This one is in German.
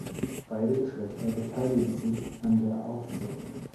Beide Geschlechter beteiligen sich an der Aufzucht.